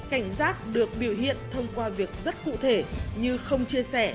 cảnh giác được biểu hiện thông qua việc rất cụ thể